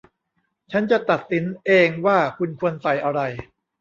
ฉันจะตัดสินเองว่าคุณควรใส่อะไร